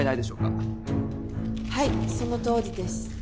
はいそのとおりです。